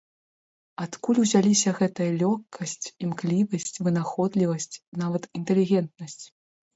Адкуль узяліся гэтая лёгкасць, імклівасць, вынаходлівасць, нават інтэлігентнасць?